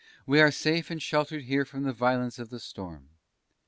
"We are safe and sheltered here from the violence of the storm."